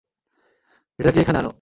এটাকে এখানে আনো।